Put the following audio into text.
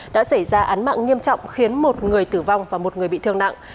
đã xảy ra án mạng nghiêm trọng khiến một người tử vong và một người bị thương nặng